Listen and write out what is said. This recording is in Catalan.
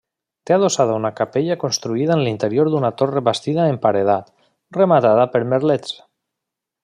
Té adossada una capella construïda en l'interior d'una torre bastida en paredat, rematada per merlets.